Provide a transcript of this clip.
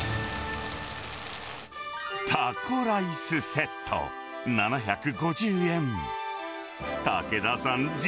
タコライスセット７５０円。